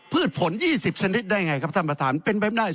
พืชผล๒๐ชนิดได้ไงครับท่านประธานเป็นไปไม่ได้